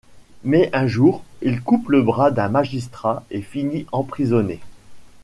Mais un jour il coupe le bras d’un magistrat et finit emprisonné.